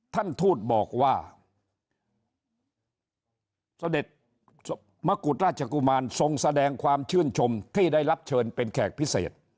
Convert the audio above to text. ท่านทูตบอกว่าเสด็จมกุฎราชกุมารทรงแสดงความชื่นชมที่ได้รับเชิญเป็นแขกพิเศษ